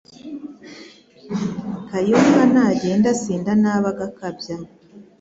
kayumba nagende asinda nabi agakabya